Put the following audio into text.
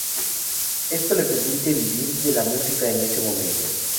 Esto le permite vivir de la música en ese momento.